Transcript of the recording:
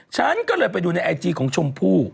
ฉันก็เลยไปดูในไอจีของชมพู่